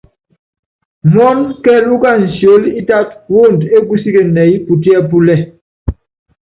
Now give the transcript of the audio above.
Muɔ́n kɛɛl úkany sióli ítát woond é kusíken nɛɛyɛ́ putiɛ́ púlɛl.